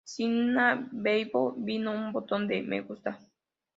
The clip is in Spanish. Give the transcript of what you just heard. Sina Weibo tiene un botón de Me gusta.